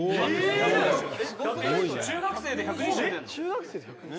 「中学生で１２０？」